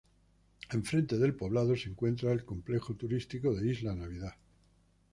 Enfrente del poblado se encuentra el complejo turístico de Isla Navidad.